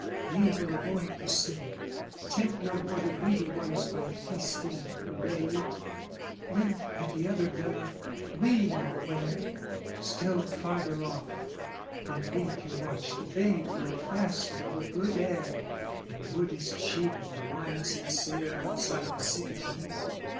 "We will avoid the city, tempt no more "The greedy ones by feasting and parade, "Live at the other villa, we know where, "Still farther off, and we can watch the babe "Grow fast in the good air; and wood is cheap "And wine sincere outside the city gate.